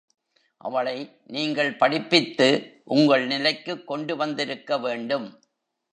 அவளை நீங்கள் படிப்பித்து உங்கள் நிலைக்குக் கொண்டு வந்திருக்க வேண்டும்.